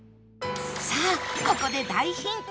さあここで大ヒント